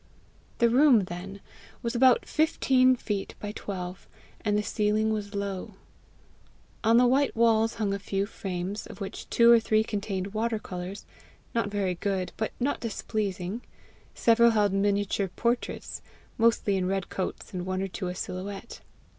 The room, then, was about fifteen feet by twelve, and the ceiling was low. On the white walls hung a few frames, of which two or three contained water colours not very good, but not displeasing; several held miniature portraits mostly in red coats, and one or two a silhouette.